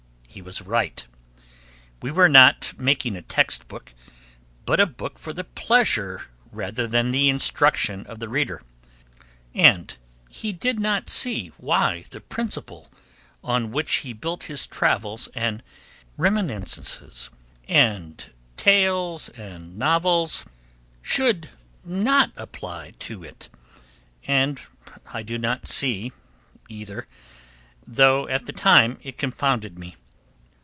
He was right: we were not making a text book, but a book for the pleasure rather than the instruction of the reader, and he did not see why the principle on which he built his travels and reminiscences and tales and novels should not apply to it; and I do not now see, either, though at the time it confounded me.